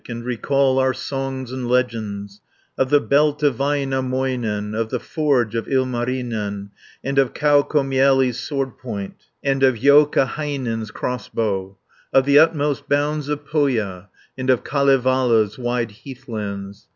And recall our songs and legends, 30 Of the belt of Väinämöinen, Of the forge of Ilmarinen, And of Kaukomieli's sword point, And of Joukahainen's crossbow: Of the utmost bounds of Pohja, And of Kalevala's wide heathlands.